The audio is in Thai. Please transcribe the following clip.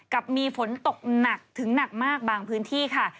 กับมีฝนตกหนักถึงหนักมากบางพื้นที่ค่ะ